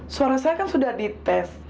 suara saya kan sudah dites